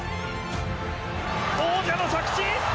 王者の着地。